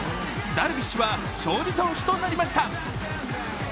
ダルビッシュは勝利投手となりました。